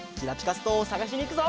ストーンをさがしにいくぞ！